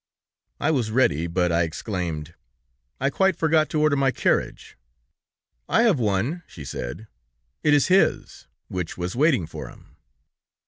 "I was ready, but I exclaimed: 'I quite forgot to order my carriage.' 'I have one,' she said; 'it is his, which was waiting for him!'